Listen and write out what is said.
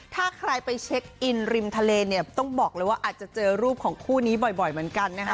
ถ้าใครไปเช็คอินริมทะเลเนี่ยต้องบอกเลยว่าอาจจะเจอรูปของคู่นี้บ่อยเหมือนกันนะคะ